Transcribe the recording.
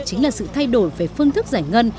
chính là sự thay đổi về phương thức giải ngân